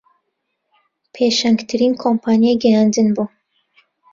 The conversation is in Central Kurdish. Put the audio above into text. پێشەنگترین کۆمپانیای گەیاندن بوو